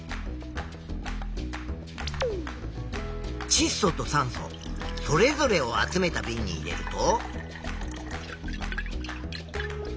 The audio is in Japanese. ちっ素と酸素それぞれを集めたびんに入れると。